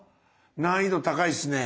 難易度高いっすね！